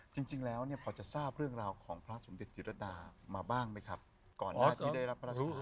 จริงแล้วเนี่ยพอจะทราบเรื่องราวของพระสมเด็จจิตรดามาบ้างไหมครับก่อนหน้าที่ได้รับพระรู้